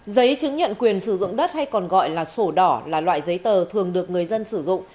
giấy chứng nhận quyền sử dụng đất hay còn gọi là sổ đỏ là loại giấy tờ thường được người dân sử dụng